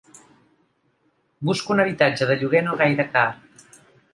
Busco un habitatge de lloguer no gaire car.